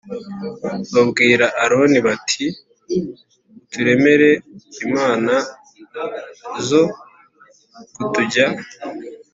babwira Aroni bati Uturemere imana zo kutujya